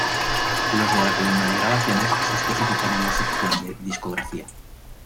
Los de la columna de "Grabaciones" se especifican en la sección de "Discografía".